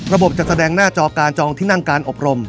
จะแสดงหน้าจอการจองที่นั่งการอบรม